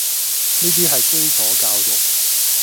呢啲係基礎教育